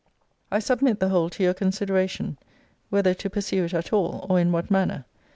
I submit the whole to your consideration, whether to pursue it at all, or in what manner.